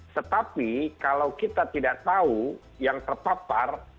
tetapi kalau kita tidak tahu yang terpapar